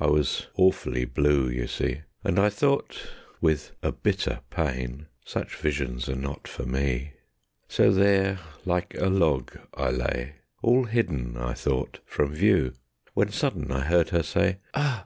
(I was awfully blue, you see), And I thought with a bitter pain: "Such visions are not for me." So there like a log I lay, All hidden, I thought, from view, When sudden I heard her say: "Ah!